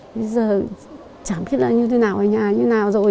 bây giờ chẳng biết là như thế nào ở nhà như nào rồi